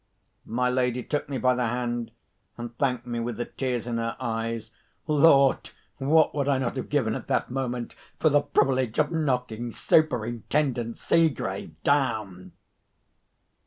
My lady took me by the hand, and thanked me with the tears in her eyes. Lord! what would I not have given, at that moment, for the privilege of knocking Superintendent Seegrave down!